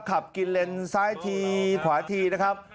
ขับกินเลนซ้ายทีขวาทีนะครับ